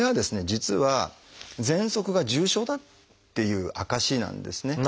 実はぜんそくが重症だっていう証しなんですね。